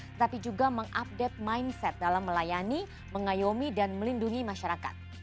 tetapi juga mengupdate mindset dalam melayani mengayomi dan melindungi masyarakat